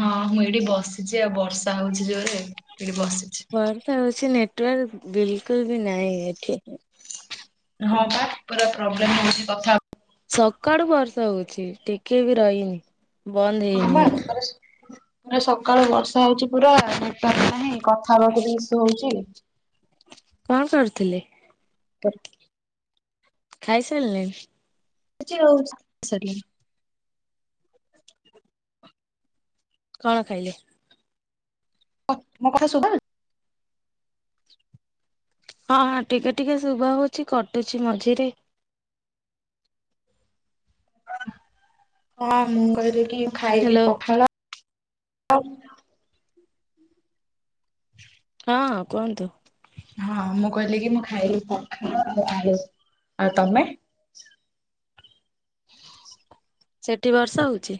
ହଁ ମୁଁ ଏଇଠି ବସିଛି ଆଉ ବର୍ଷା ହଉଛି ଜୋରେ ଏଇଠି ବସିଛି। ମୋର ତ ହଉଛି ନେଟୱାର୍କ ବିଲକୁଲ ବି ନାହିଁ ଏଠି। ହଁ ବା ପୁରା ପ୍ରୋବ୍ଲେମ ହଉଛି କଥା ସକାଳୁ ବର୍ଷା ହଉଛି ଟିକେ ବି ରହିନି। ବନ୍ଦ ହଁ ହେଇନି ବା ପୁରା ସକାଳୁ ବର୍ଷା ହଉଚି ପୁରା [unintelligible] ନାହିଁ। କଥା ହେବାକୁ ବି ଇଷୁ ହଉଚି। କଣ କରୁଥିଲେ? [unintelligible] ଖାଇ ସାରିଲେଣି? [inaudible] କଣ ଖାଇଲେ? ହଁ ମୋ କଥା ସୁଭା [unintelligible] ହଁ ହାଁ ଟିକେ-ଟିକେ ଶୁଭା ହଉଛିି କଟୁଚି ମଝିରେ ହଁ ମୁଁ କହିଲି କି ଖାଇଲି ହ୍ୟାଲୋ ପଖାଳ [unintelligible] ହଁ କୁହନ୍ତୁ। ହଁ ମୁଁ କହିଲି କି ମୁଁ ଖାଇଲି ପଖାଳ ଆଉ ଆଳୁ ତମେ? ସେଠି ବର୍ଷା ହଉଛି?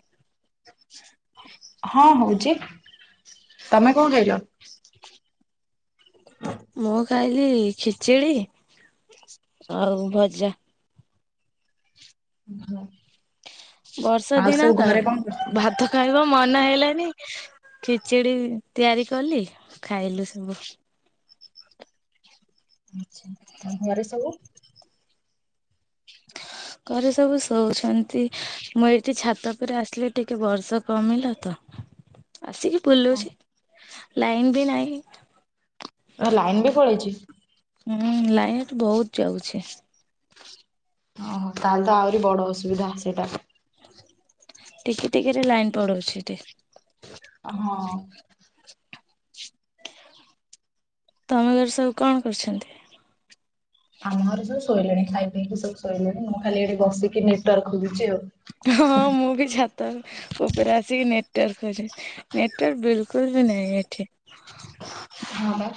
ହଁ ହଉଚି ତମେ କଣ ଖାଇଲ? ମୁଁ ଖାଇ ଲି ଖେଚେଡ଼ି ଆଉ ଭଜା। ହଁ। ବର୍ଷା ଆଉ ଦିନ ସବୁ ତ ଘରେ କଣ କରୁଛନ୍ତି? ଭାତ [unintelligible] ମନ ହେଇଲାନି ଖେଚେଡି ତିଆରି କଲି ଖାଇଲୁ ସବୁ। ଆଚ୍ଛା ଆଉ ଘରେ ସବୁ। ଘରେ ସବୁ ଶୋଉଛନ୍ତି। ମୁଁ ଏଇଠି ଛାତ ଉପରେ ଆସିଲି ଟିକେ ବର୍ଷ କମିଲା ତ ଆସିକି ବୁଲୁଛି ଲାଇନ୍ ବି ନାହିଁ। [unintelligible] ଲାଇନ୍ ବି ପଳେଇଚି। ହୁଁ ଲାଇନ୍ ଏଠି ବହୁତ୍ ଯାଉଛି। ଓହୋ ତାହେଲେ ତ ଆହୁରି ବଡ ଅସୁବିଧା ସେଟା। ଟିକେ ଟିକେ ରେ ଲାଇନ୍ ପଡଉଛି ଟି। ହଁ। ତମ ଘରେ ସବୁ କଣ କରୁଛନ୍ତି? ଆମ ଘରେ ସବୁ ଶୋଇଲେଣି ଖାଇ ପିକି ସବୁ ଶୋଇଲେଣି ମୁଁ ଖାଲି ଏଠି ବସିକି ନେଟାର୍କ ଖୋଜୁଚି ଆଉ। ହଁ ମୁଁ ବି ଛା ତ ଉପରେ ଆସିକି ନେଟୱାର୍କ [unintelligible] ନେଟୱାର୍କ ବିଲକୁଲ୍ ବି ନାହିଁ ଏଠି ହଁ ବା।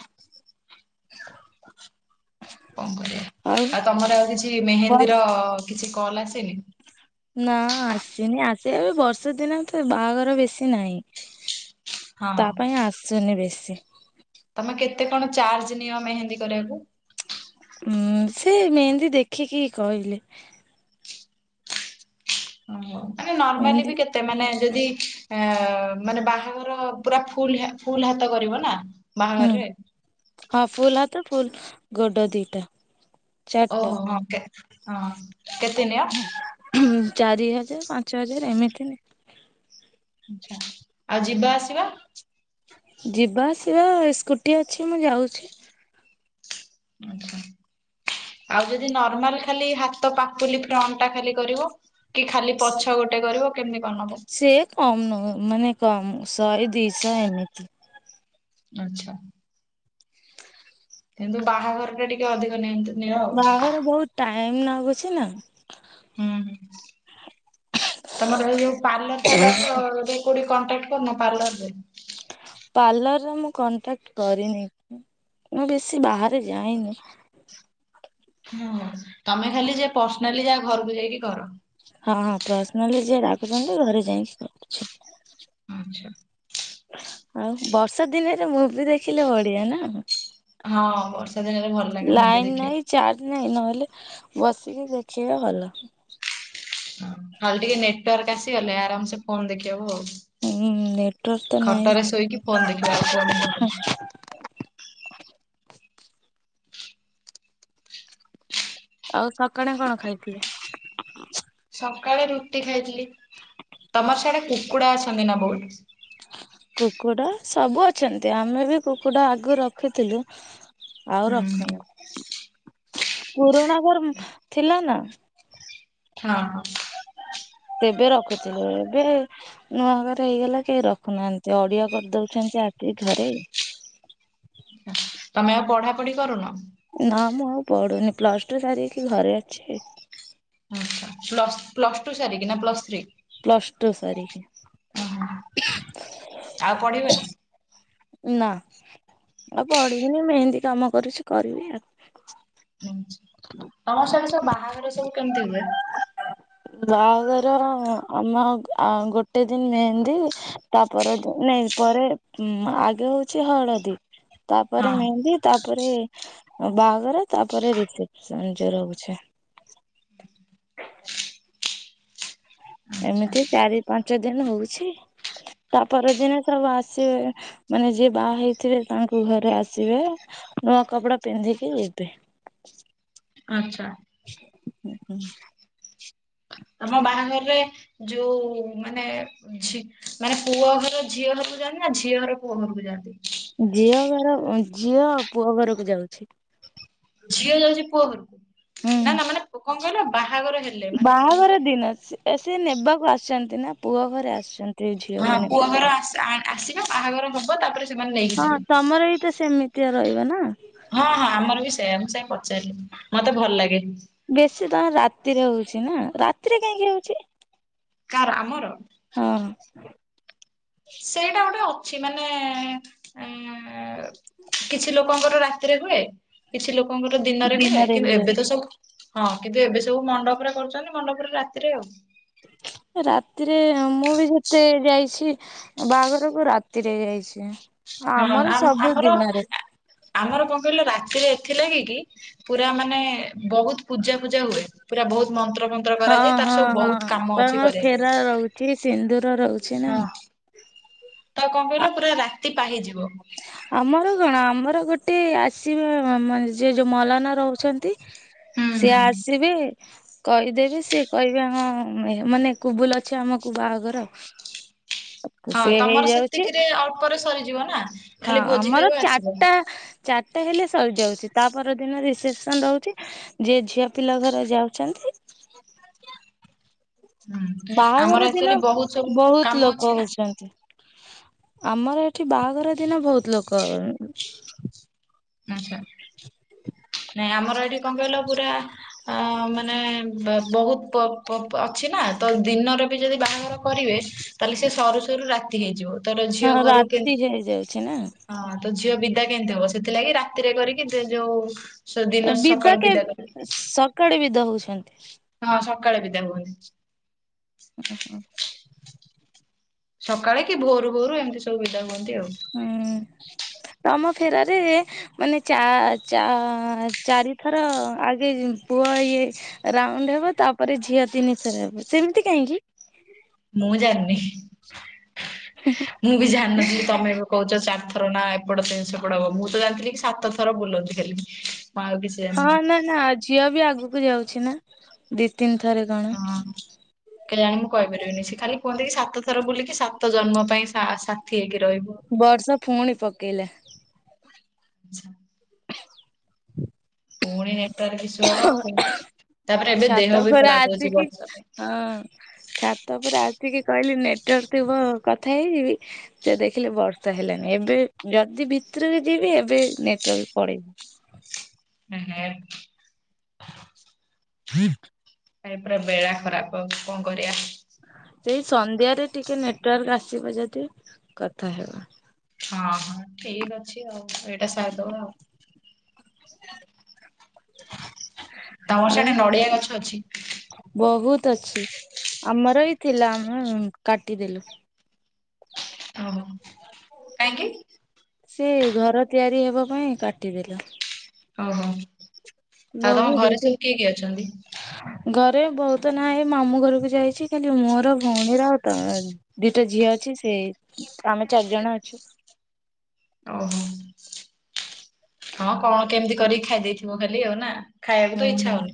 କଣ କରିବା ଆଉ ତମର ଆଉ କିଛି ବସ୍ ମେହେନ୍ଦୀର କିଛି କଲ୍ ଆସେନି? ନା ଆସିନି ଆସେ ବର୍ଷ ଦିନ ତ ବାହାଘର ବେଶୀ ନାହିଁ। ହଁ ତା ପାଇଁ ଆସୁନି ବେଶୀ। ତମେ କେତେ କଣ ଚାର୍ଜ ନିଅ ମେହେନ୍ଦୀ କରିବାକୁ? ଉଁ ସେ ମେହେନ୍ଦୀ ଦେଖିକି କହିଲେ। ହଁ ଆରେ ନର୍ମାଲି ମେହେନ୍ଦୀ ବି କେତେ? ସେ ମାନେ ଯଦି ଅ ମାନେ ବାହାଘର ପୁରା ଫୁଲ୍ ଫୁଲ୍ ହାତ କରିବ ନା ହୁଁ ବାହାଘରରେ ହଁ ଫୁଲ୍ ହାତ ଫୁଲ୍ ଗୋଡ ଦିଟା। ଚାରିଟା। ଓହୋ ହଁ କେ ହଁ କେତେ ନିଅ? ଉଁ ହୁଁ ଚାରି ହଜାର ପାଞ୍ଚ ହଜାର ଏମିତିନି ଆଛା ଆଉ ଯିବା ଆସିବା ଯିବା ଆସିବା ସ୍କୁଟି ଅଛି ମୁଁ ଯାଉଛି। ଆଚ୍ଛା। ଆଉ ଯଦି ନର୍ମାଲ ଖାଲି ହାତ ପାପୁଲି ଫ୍ରଣ୍ଟ ଟା ଖାଲି କରିବ। କି ଖାଲି ପଛ ଗୋଟେ କରିବ କେମିତି କଣ ନବ? ସେ କମ ନବ ମାନେ କମ ଶହେ ଦିଶହ ଏମିତି। ଆଚ୍ଛା। କିନ୍ତୁ ବାହାଘର ଟା ଟିକେ ଅଧିକ ନିଅନ୍ତି। ନିଅ ଆଉ। ବାହାଘର ବହୁତ ଟାଇମ ଲାଗୁଛି ନା। ହୁଁ ହ ତମର ଏଇ ଯୋଉ ପାର୍ଲର ଫାଲର ଗୋଟେ କୋଉଠି କଣ୍ଟାକ୍ଟ କରୁନ ପାର୍ଲାରରେ। ପାର୍ଲରରେ ମୁଁ କଣ୍ଟାକ୍ଟ କରିନି ମୁଁ ବେଶୀ ବାହାରେ ଯାଇନି। ହୁଁ ତମେ ଖାଲି ଯା ପର୍ସନାଲି ଯାହା ଘରକୁ ଯାଇକି କର। ହଁ ହଁ ପର୍ସନାଲି ଯିଏ ଡାକୁଛନ୍ତି ଘରେ ଯାଇକି କରୁଚି। ଆଚ୍ଛା। ଆଉ ବର୍ଷା ଦିନରେ ମୁଭି ଦେଖିଲେ ବଢିଆ ନା। ହଁ ବର୍ଷା ଦିନରେ ଭଲ ଲାଗେ ମୁଭି ଲାଇନ ନାହିଁ ଦେଖିବାକୁ। ଚାର୍ଜ ନାହିଁ ନହେଲେ ବସିକି ଦେଖିବା ଭଲ। ଖାଲି ଟିକେ ନେଟୱାର୍କ ଆସିଗଲେ ଆରାମସେ ଫୋନ ଦେଖି ହବ ହୁଁ ନେଟୱାର୍କ ଆଉ। ତ ନାହିଁ। ଖଟରେ ଶୋଇକି ଫୋନ ଦେଖିବ ଆଉ କୁଆଡେ ଯିବନି। ଆଉ ସକାଳେ କଣ ଖାଇଥିଲେ? ସକାଳେ ରୁଟି ଖାଇଥିଲି ତମର ସିଆଡେ କୁକୁଡା ଅଛନ୍ତି ନା ବହୁତ। କୁକୁଡ଼ା ସବୁ ଅଛନ୍ତି ଆମେ ବି କୁକୁଡ଼ା ଆଗୁ ରଖିଥିଲୁ। ଆଉ ରଖୁନୁ ପୁରୁଣା ଘର ଥିଲା ନା। ହଁ। ତେବେ ରଖୁଥିଲୁ ଏବେ ନୂଆ ଘରେ ହେଇଗଲା କେହି ରଖୁନାହାନ୍ତି ଅଡିଆ କରିଦଉଛନ୍ତି ଆଖି ଘରେ। ତମେ ଆଉ ପଢା ପଢି କରୁନ? ନା ମୁଁ ଆଉ ପଢୁନି ପ୍ଲସ ଟୁ ସାରିକି ଘରେ ଅଛି। ପ୍ଲସ୍ ପ୍ଲସ୍ ଟୁ ସାରିକି ନା ପ୍ଲସ୍ ଥ୍ରୀ। ପ୍ଲସ୍ ଟୁ ସାରିକି। ଆଉ ପଢିବନି। ନା ଆଉ ପଢିବିନି ମୁଁ ମେହେନ୍ଦି କାମ କରୁଛି କରିବି ଆଉ। ହୁଁ। ହଁ ତମ ସିଆଡେ ସବୁ ବାହାଘର ସବୁ କେମିତି ହୁଏ? ବାହାଘର ଆମ ଆ ଗୋଟେ ଦିନ ମେହେନ୍ଦୀ। ତାପ ନାଇଁ ପରେ ଆଗେ ହେଉଛି ହଳଦୀ। ତାପରେ ହଁ ମେହେନ୍ଦି ତାପରେ ବାହାଘର ତାପରେ ରିଷିପ୍ ସଞଜର ରହୁଛେ। ଆଚ୍ଛା ଏମିତି ଚାରି ପାଞ୍ଚ ଦିନ ହଉଛି ତାପଦିନେ ସବୁ ଆସିବେ। ମାନେ ଯିଏ ବାହା ହେଇଥିବେ ତାଙ୍କୁ ଘରେ ଆସିବେ ନୂଆ କପଡା ପିନ୍ଧିକି ଯିବେ। ଆଚ୍ଛା। ହଁ ହୁଁ ଆମ ବାହାଘର ରେ ଯୋଉ ମାନେ। ଝି ମାନେ ପୁଅ ଘର ଝିଅ ଘରକୁ ଯାଆନ୍ତି ନା ଝିଅ ଘର ପୁଅ ଘରକୁ ଯାଆନ୍ତିନି। ଝିଅ ଘର ଝିଅ ପୁଅ ଘରକୁ ଯାଉଛି। ଝିଅ ଯାଉଛି ପୁଅ ଘରକୁ ହୁଁ ନା ନା ମାନେ କଣ କହିଲ ବାହାଘର ହେ ବାହାଘର ଦିନ ସେ ନେବାକୁ ଆସଛନ୍ତି ନା ପୁଅ ଘର ଆସନ ହଁ ପୁଅ ଘର ଆସ ଆସିବେ ବାହାଘର ହବ ତାପରେ। ସେମାନେ ନେଇକି ହଁ ଯିବେ। ତମର ବି ତ ସେମିତିଆ ରହିବ ନା। ହଁ ହଁ ଆମର ବି ସେ ମୁ ସେ ପଚାରିଲି ମତେ ଭଲ ଲାଗେ। ବେଶୀ ତମର ରାତିରେ ହଉଛି ନା ରାତିରେ କାହିଁକି ହଉଛି। କାର ଆମର। ହଁ। ସେଇଟା ଗୋଟେ ଅଛି ମାନେ ଏଁ କିଛି ଲୋକ। ଲୋକଙ୍କର ରାତିରେ ହୁଏ କିଛି ଲୋକଙ୍କର ଦିନରେ ହୁଏ କିନ୍ତୁ ଏବେ ତ ସବୁ। ହଁ କିନ୍ତୁ ଏବେ ସବୁ ମଣ୍ଡପରେ କରୁଛନ୍ତି ମଣ୍ଡପରେ ରାତିରେ ଆଉ। ଏ ରାତିରେ ମୁଁ ବି ଯେତେ ଯାଇଛି। ବାହାଘରକୁ ରାତିରେ ଯାଇଛି ହଁ ଆମର ଆମ ସବୁ ଆମର ଦିନରେ। ଆମର କଁ କହିଲ ରାତିରେ ଏଥି ଲାଗି କି। ପୁରା ମାନେ ବହୁତ ପୂଜା ପୂଜା ହୁଏ ପୁରା ବହୁତ ମନ୍ତ୍ର ଫ ନ୍ତ୍ର ହଁ କରାଯାଏ ତାର ହଁ ସବୁ ବହୁତ ହଁ କାମ ଅଛି ତମର କରିବା ଫେରା ରହୁଛି ସିନ୍ଦୁର ରହୁଛି ପାଇଁ ନା। ହଁ। ତାକୁ କଁ କହିଲ ପୁରା ରାତି ପାହିଯିବ। ଆମର କଣ ଆମର ଗୋଟେ ଆସିବେ ମାନେ ଯିଏ ଯୋଉ ମଲାନ ରହୁଛନ୍ତି। ହୁଁ ସିଏ ହୁଁ ଆସିବେ। କହିଦେବେ ସିଏ କହିବେ ଆମ ମାନେ କୁବୁଲ ଅଛି ଆମକୁ ବାହାଘର। ତ ସିଏ ହେଇଯାଉଛି। ପରେ ସରିଯିବ ନା। ହଁ ଖାଲି ଭୋଜି ଆମର ଖାଇବ ଆସିବ। ଚାରିଟା। ଚାରିଟା ହେଲେ ସରିଯାଉଛି ତା ପର ଦିନ ରିସେପସନ ରହୁଛି। ଯିଏ ଝିଅ ପିଲା ଘର ଯାଉଛନ୍ତି। ହୁଁ ଆମର ବାହାଘର ଦିନ ଆକ୍ଚୁଆଲି ବହୁତ ସବୁ କାମ ବହୁତ ଅଛି ଲୋକ ନା ହଉଛନ୍ତି। ଆମର ଏଠି ବାହାଘର ଦିନ ବହୁତ ଲୋକ ଉଁ। ଆଛା ନାଇଁ ଆମର ଏଇଠି କଣ କହିଲ ପୁରା। ଆ ମାନେ ବହୁତ ପ ପ ଅଛି ନା ତ ଦିନରେ ବି ଯଦି ବାଘର କରିବେ। ତାହେଲେ ସେ ସରୁ ସରୁ ରାତି ହେଇଯିବ। ତର ଝିଅ ହଁ ଘରୁ କେ ରାତି ହେଇଯାଉଛି ନା। ହଁ ତ ଝିଅ ବିଦା କେମତି ହବ ସେଥିଲାଗି ରାତିରେ କରିକି ଯୋଉ। ସେ ଦିନ ବିଦା ସକାଳୁ କେ କରିବେ ସକାଳେ ବିଦା ହଉଛନ୍ତି। ହଁ ସକାଳେ ବିଦା ହୁଅନି। ଓ ହୋ। ସକାଳେ କି ଭୋରୁ ଭୋରୁ ଏମିତି ସବୁ ବିଦା ହୁଅନ୍ତି ଆଉ। ହୁଁ ତମ ଫେରାରେ। ମାନେ ଚା ଚା ଚାରିଥର ଆଗେ ପୁଅ ଇଏ। ରାଉଣ୍ଡ ହେବ ତାପରେ ଝିଅ ତିନିଥର ହେବ ସେମିତି କାହିଁକି। ମୁଁ ଜାଣିନି ମୁଁ ବି ଜାଣିନଥିଲି ତମେ ଏବେ କହୁଛ ଚାରିଥର ନା ଏପଟ ସେପଟ ହବ ମୁଁ ତ ଜାଣିଥିଲି କି ସାତ ଥର ବୁଲନ୍ତି ଖାଲି। ଆଉ କିଛି ହଁ ଜାଣିନି ନା ନା ଝିଅ ବି ଆଗକୁ ଯାଉଛି ନା ଦି ତିନି ଥରେ କଣ। ହଁ। କେଜାଣି ମୁଁ କହିପାରିବିନି ସେ ଖାଲି କୁହନ୍ତି କିି ସାତ ଥର ବୁଲିକି ସାତ ଜନ୍ମ ପାଇଁ ସା ସାଥି ହେଇକି ରହିବୁ। ବର୍ଷା ପୁଣି ପକେଇଲା। ଆଚ୍ଛା ପୁଣି ନେଟୱାର୍କ ଇସୁ ହବ ତାପରେ ଏବେ ଛାତ ଦେହ ବି ଉପରେ ଖରାପ ହୋଉଛି ଆସିକି ବର୍ଷା ପାଇଁ। ହଁ। ଛାତ ଓପରେ ଆସିକି କହିଲି ନେଟୱାର୍କ ଥିବ କଥା ହେଇଯିବି। ସେ ଦେଖିଲି ବର୍ଷା ହେଲାନି ଏବେ ଯଦି ଭିତରକୁ ଯିବି ଏବେ ନେଟୱାର୍କ ପଳେଇ ଏ ହେ ଏ ପରା ବେଳା ଖରାପ କଣ କରିବା। ସେଇ ସନ୍ଧ୍ୟାରେ ଟିକେ ନେଟୱାର୍କ ଆସିବ ଯଦି କଥା ହେବା। ହଁ ହଁ ଠିକ ଅଛି ଆଉ ଏଇଟା ସାରିଦବା ଆଉ। ତମର ସିଆଡ଼େ ନଡ଼ିଆ ଗଛ ଅଛି? ବୋହୁତ ଅଛି ଆମର ବି ଥିଲା ଆମେ କାଟିଦେଲୁ। ଓହୋ କାହିଁକି? ସେ ଘର ତିଆରି ହେବା ପାଇଁ କାଟିଦେଲା। ଓହୋ। ଆଉ ତମ ବୋହୁ ଘରେ ଦୁଇଟି ସବୁ କିଏ କିଏ ଅଛନ୍ତି? ଘରେ ବୋଉ ତ ନାହିଁ ମାମୁଁ ଘରକୁ ଯାଇଚି ଖାଲି ମୋର ଭଉଣୀର ଆଉ ତମ ଦିଟା ଝିଅ ଅଛି ସେ ଆମେ ଚାରି ଜଣ ଅଛୁ। ଓହୋ ହଁ କଣ କେମିତି କରିକି ଖାଇ ଦେଇଥିବ ଖାଲି ଆଉ ନା। ଖାଇବାକୁ ଉଁ ତ ଇଚ୍ଛା ହୁଁ ହଉନି।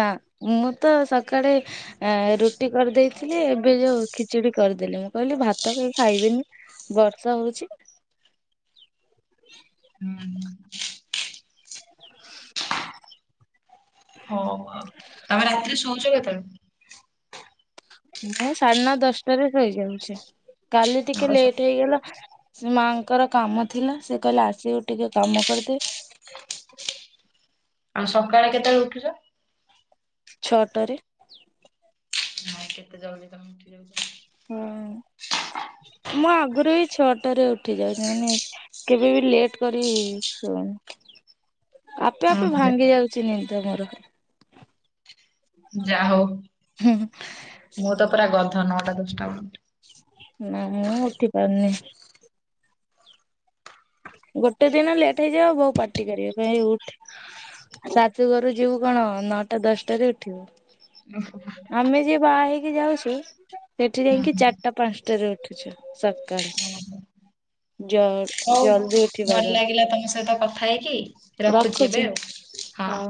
ନା ମୁଁ ତ ସକାଳେ ଆ ରୁଟି କରିଦେଇଥିଲି ଏବେ ଯୋଉ ଖିଚିଡ଼ି କରିଦେଲି ମୁଁ କହିଲି ଭାତ କେହି ଖାଇବେନି। ବର୍ଷା ହୋଉଚି। ହୁଁ। ହୋଉ ଆ ତମେ ରାତିରେ ଶୋଉଚ କେତେବେ? ମୁଁ ସାଢ଼େ ନ ଦଶଟାରେ ଶୋଇଯାଉଛି କାଲି ଟିକେ ଆଉ ସ ଲେଟ୍ ହେଇଗଲା। ସେ ମାଆଙ୍କର କାମ ଥିଲା ସେ କହିଲେ ଆସିବ ଟିକେ କାମ କରିଦେ। ଆଉ ସକାଳେ କେତେବେଳେ ଉଠୁଛ? ଛଅଟାରେ। ନାଇଁ କେତେ ଜଲଦି ତମେ ଉଠି ଯାଉଛ। ହଁ ମୁଁ ଆଗରୁ ବି ଛଅଟାରେ ଉଠ ଯାଉଛି ମାନେ କେବେ ବି ଲେଟ୍ କରି ଶୋଉନି। ଆପେ ଆପେ ଓହୋ ଯା ଭାଙ୍ଗି ଯାଉଚି ନିଦ ମୋର। ଯା ହଉ ମୁଁ ତ ପୁରା ଗଧ ନଅଟା ଦଶଟା ବେଳେ ଉଠେ। ନା ମୁଁ ଉଠି ପାରୁନି। ଗୋଟେ ଦିନ ଲେଟ୍ ହେଇଯିବ ବୋଉ ପାଟି କରିବେ କହିବେ ଏଇ ଉଠୁ। ଶାଶୁଘରୁ ଯିବୁ କଣ ନଅଟା ଦଶଟାରେ ଉଠିବୁ। [unintelligible] ଆମେ ଯିଏ ବାହା ହେଇକି ଯାଉଛୁ ସେଠି ଯାଇଙ୍କି ଓହୋ। ଚାରିଟା ପାଞ୍ଚଟାରେ ଉଠୁଚୁ। ସକାଳେ ଜଳ ହୋଉ ଭଲ ଲାଗିଲା ତମ ସହିତ କଥା ହେଇକି ଦର ରଖୁଚି ଏବେ ରଖୁଛି ଆଉ ହଁ। ହଉ।